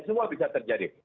semua bisa terjadi